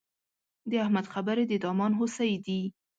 د احمد خبرې د دامان هوسۍ دي.